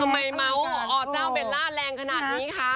เมาส์อเจ้าเบลล่าแรงขนาดนี้คะ